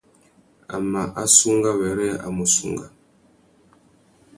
A mà assunga wêrê a mù sunga.